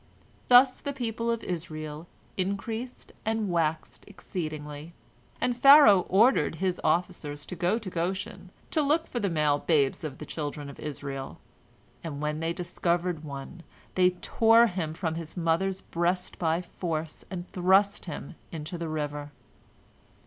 Thus the people of Israel increased and waxed exceedingly. And Pharaoh ordered his officers to go to Goshen, to look for the male babes of the children of Israel, and when they discovered one, they tore him from his mother's breast by force, and thrust him into the river."